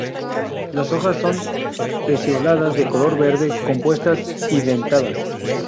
Las hojas son pecioladas de color verde, compuestas y dentadas.